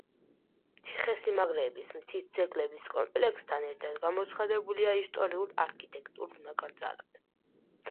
ციხესიმაგრეების მთის ძეგლების კომპლექსთან ერთად გამოცხადებულია ისტორიულ-არქიტექტურულ ნაკრძალად.